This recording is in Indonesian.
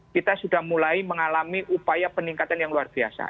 kita sudah mulai mengalami upaya peningkatan yang luar biasa